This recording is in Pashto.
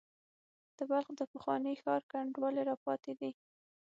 د بلخ د پخواني ښار کنډوالې را پاتې دي.